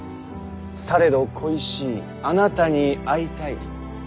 されど恋しいあなたに会いたい。